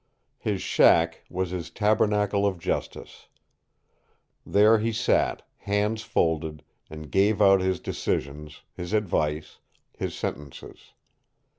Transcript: His shack was his tabernacle of justice. There he sat, hands folded, and gave out his decisions, his advice, his sentences.